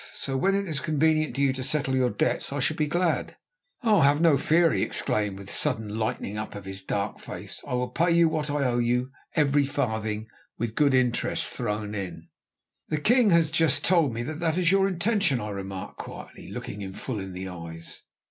So when it is convenient to you to settle your debts I shall be glad." "Oh! have no fear," he exclaimed with a sudden lighting up of his dark face, "I will pay you what I owe you, every farthing, with good interest thrown in." "The king has just told me that is your intention," I remarked quietly, looking him full in the eyes.